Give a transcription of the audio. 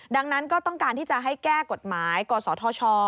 ดังนั้นก็ต้องการที่จะให้แก้กฎหมายกศธช